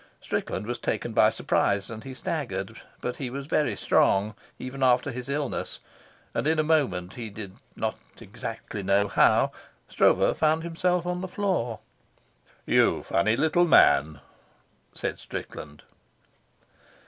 Strickland was taken by surprise and he staggered, but he was very strong, even after his illness, and in a moment, he did not exactly know how, Stroeve found himself on the floor. "You funny little man," said Strickland.